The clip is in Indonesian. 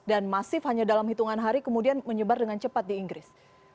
dan masif hanya dalam hitungan hari kemudian menyebar dengan cepat di inggris